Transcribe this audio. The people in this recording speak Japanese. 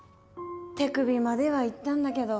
手首まではいったんだけど。